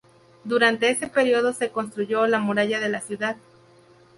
Durante ese periodo se construyó la muralla de la ciudad.